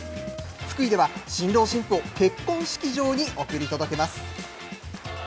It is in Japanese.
福井では、新郎新婦を結婚式場に送り届けます。